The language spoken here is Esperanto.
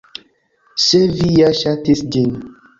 Se vi ja ŝatis ĝin